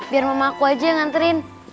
biar mama aku aja yang nganterin